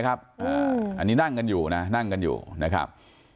อันนี้คือนั่งกันอยู่นะครับ